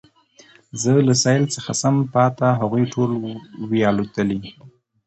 زه له سېل څخه سم پاته هغوی ټول وي الوتلي